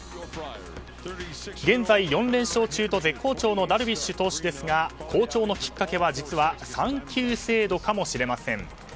現在４連勝中と絶好調のダルビッシュ投手ですが好調のきっかけは実は産休制度かもしれません。